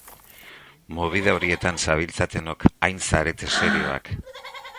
Mobida horietan zabiltzatenok hain zarete serioak.